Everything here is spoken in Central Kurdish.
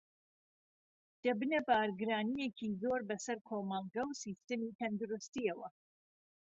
دەبنە بارگرانییەکی زۆر بەسەر کۆمەڵگە و سیستمی تەندروستییەوە